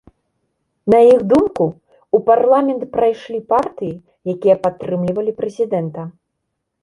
На іх думку, у парламент прайшлі партыі, якія падтрымлівалі прэзідэнта.